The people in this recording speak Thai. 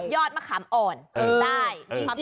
มะขามอ่อนได้